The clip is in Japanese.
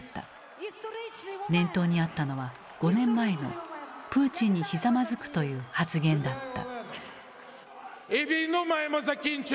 念頭にあったのは５年前のプーチンにひざまずくという発言だった。